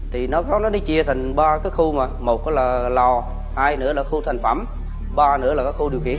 thì nó có nó đi chia thành ba cái khu mà một là lò hai nữa là khu thành phẩm ba nữa là khu điều khiển